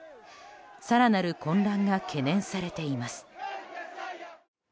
更なる混乱が懸念されています。